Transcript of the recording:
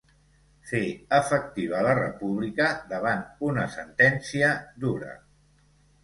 Fer efectiva la república davant una sentència ‘dura’